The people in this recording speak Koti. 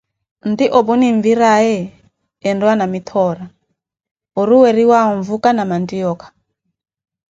Nti opo ninvikanaaye enriwa Namithoora, oruweriwavo mvuka na manttioyakha.